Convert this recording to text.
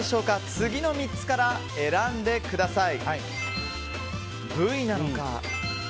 次の３つから選んでください。